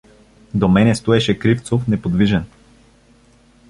До мене стоеше Кривцов неподвижен.